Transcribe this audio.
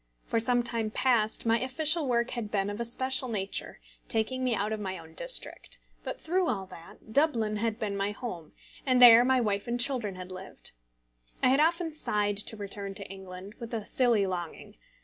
For some time past my official work had been of a special nature, taking me out of my own district; but through all that, Dublin had been my home, and there my wife and children had lived. I had often sighed to return to England, with a silly longing.